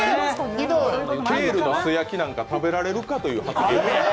ケールの素焼きなんか食べられるかという発言が。